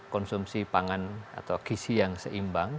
konsumsi pangan atau gisi yang seimbang